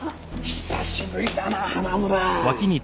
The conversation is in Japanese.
久しぶりだな花村。